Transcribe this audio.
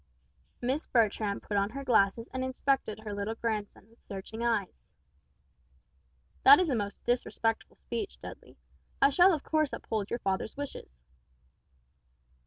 Mrs. Bertram put on her glasses and inspected her little grandson with searching eyes. "That is a most disrespectful speech, Dudley. I shall of course uphold your father's wishes."